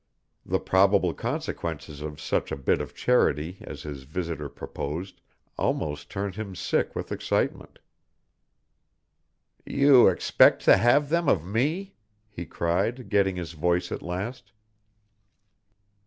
The probable consequences of such a bit of charity as his visitor proposed almost turned him sick with excitement. "You expect to have them of me!" he cried, getting his voice at last.